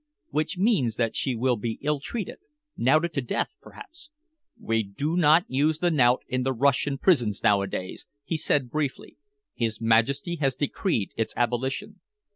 "Which means that she will be ill treated knouted to death, perhaps." "We do not use the knout in the Russian prisons nowadays," he said briefly. "His Majesty has decreed its abolition."